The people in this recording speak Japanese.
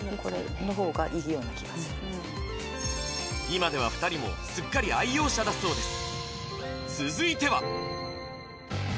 今では２人もすっかり愛用者だそうです